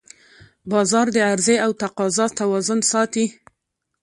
بازار د عرضې او تقاضا توازن ساتي